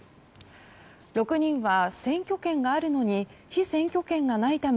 ６人は選挙権があるのに被選挙権がないため